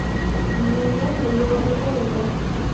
Honen gainean leiho barrokoa dauka.